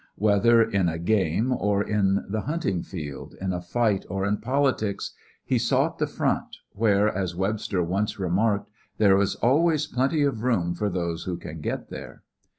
Whether in a game or in the hunting field, in a fight or in politics, he sought the front, where, as Webster once remarked, there is always plenty of room for those who can get there.